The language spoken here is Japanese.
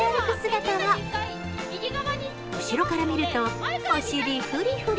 姿は後ろから見ると、お尻ふりふり